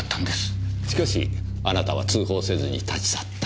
しかしあなたは通報せずに立ち去った。